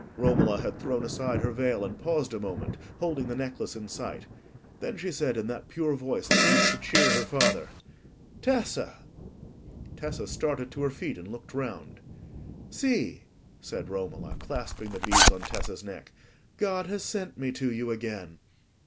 Romola had thrown aside her veil and paused a moment, holding the necklace in sight. Then she said, in that pure voice that used to cheer her father— "Tessa!" Tessa started to her feet and looked round. "See," said Romola, clasping the beads on Tessa's neck, "God has sent me to you again."